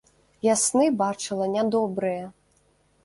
Я сны бачыла нядобрыя.